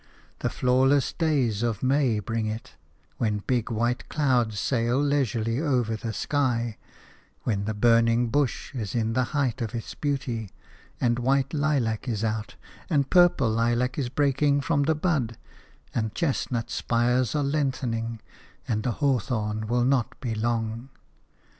The flawless days of May bring it – when big white clouds sail leisurely over the sky, when the "burning bush" is in the height of its beauty, and white lilac is out, and purple lilac is breaking from the bud, and chestnut spires are lengthening, and the hawthorn will not be long.